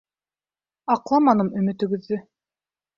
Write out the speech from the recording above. Аҡламаным өмөтөгөҙҙө.